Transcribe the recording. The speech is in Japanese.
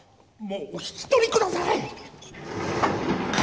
もうお引き取り下さい！